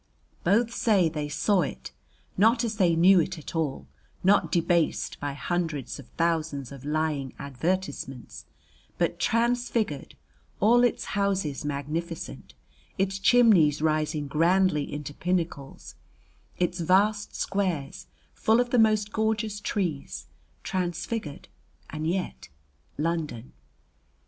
Both say they saw it not as they knew it at all, not debased by hundreds of thousands of lying advertisements, but transfigured, all its houses magnificent, its chimneys rising grandly into pinnacles, its vast squares full of the most gorgeous trees, transfigured and yet London.